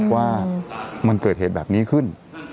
ว่ามันเกิดเหตุแบบนี้ขึ้น